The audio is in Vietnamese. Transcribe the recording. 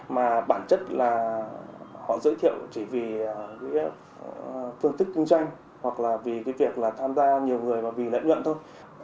mà bản chất là họ giới thiệu chỉ vì phương thức kinh doanh hoặc là vì cái việc là tham gia nhiều người và vì lợi nhuận thôi